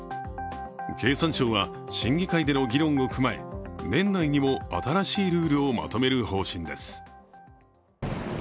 経産省は、審議会での議論を踏まえ年内にも新しいルールをまとめる方針です。